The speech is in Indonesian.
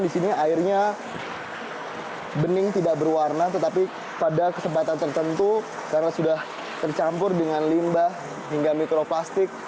di sini airnya bening tidak berwarna tetapi pada kesempatan tertentu karena sudah tercampur dengan limbah hingga mikroplastik